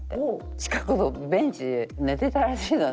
近くのベンチで寝てたらしいのね。